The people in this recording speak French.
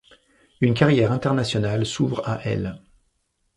Une carrière internationalme s’ouvre à elle.